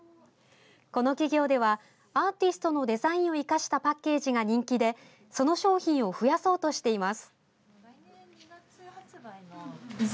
この企業では、アーティストのデザインを生かしたパッケージが人気でその商品を増やそうとしています。